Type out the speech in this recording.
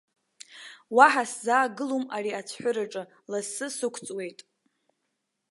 Уаҳа сзаагылом ари ацәҳәыраҿы, лассы сықәҵуеит!